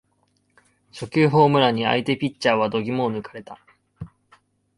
初球ホームランに相手ピッチャーは度肝を抜かれた